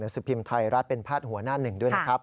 หนังสิทธิ์พิมพ์ไทยรัฐเป็นภาพหัวหน้าหนึ่งด้วยนะครับ